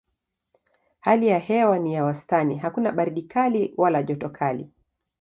Hali ya hewa ni ya wastani hakuna baridi kali wala joto kali.